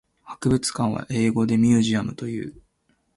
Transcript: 博物館は英語でミュージアムという。